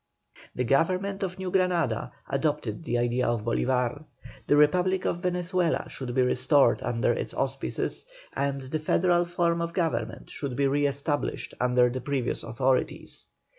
The Government of New Granada adopted the idea of Bolívar; the Republic of Venezuela should be restored under its auspices, and the federal form of government should be re established under the previous authorities.